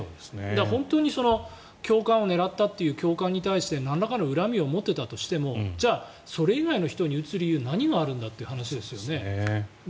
本当に教官を狙ったという教官に対してなんらかの恨みを持っていたとしてもじゃあ、それ以外の人に撃つ理由何があるんだという話ですよね。